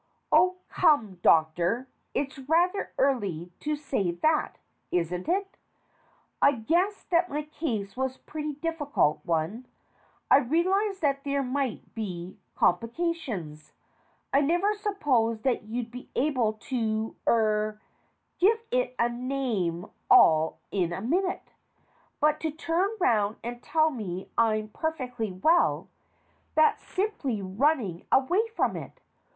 Oh, come, Doctor, it's rather early to say that, isn't it ? I guessed that my case was a pretty difficult one. I realized that there might be complications. I never supposed that you'd be able to er give it a name all in a minute. But to turn round and tell me I'm per fectly well that's simply running away from it.